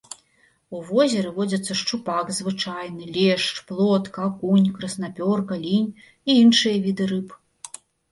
У возеры водзяцца шчупак звычайны, лешч, плотка, акунь, краснапёрка, лінь і іншыя віды рыб.